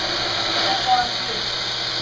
較趕緊